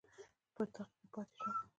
په اطاق کې پاتې شوم.